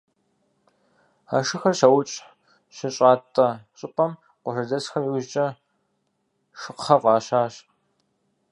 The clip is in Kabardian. А шыхэр щаукӏыу щыщӏатӏа щӏыпӏэм къуажэдэсхэм иужькӏэ «Шыкхъэ» фӏащащ.